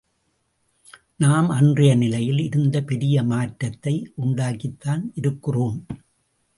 நாம் அன்றைய நிலையில் இருந்து பெரிய மாற்றத்தை உண்டாக்கித்தான் இருக்கிறோம்.